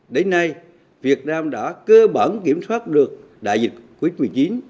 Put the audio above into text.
đến nay việt nam đã cơ bản kiểm soát được đại dịch covid một mươi chín